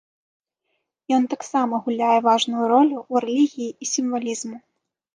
Ён таксама гуляе важную ролю ў рэлігіі і сімвалізму.